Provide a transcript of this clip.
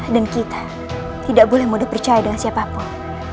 dan kita tidak boleh mau dipercaya dengan siapapun